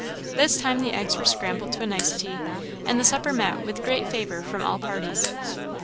This time the eggs were scrambled to a nicety, and the supper met with great favour from all parties.